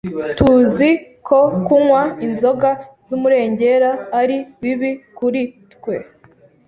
Tuzi ko kunywa inzoga z’umurengera ari bibi kuri twe,